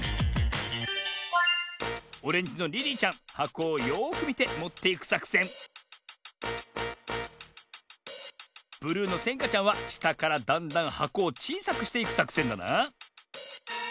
オレンジのリリーちゃんはこをよくみてもっていくさくせんブルーのせんかちゃんはしたからだんだんはこをちいさくしていくさくせんだな。